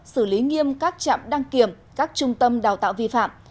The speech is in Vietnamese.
xử lý nghiêm các trạm đăng kiểm các trung tâm đào tạo vi phạm